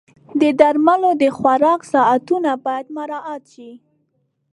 د درملو د خوراک ساعتونه باید مراعت شي.